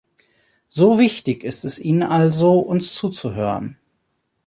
So wichtig ist es ihnen also, uns zuzuhören.